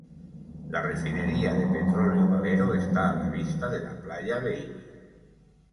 La refinería de petróleo Valero está a la vista de la playa Baby.